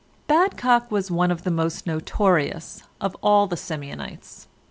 Badcock was one of the most notorious of all the Simeonites.